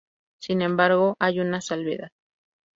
Sin embargo, hay una salvedad.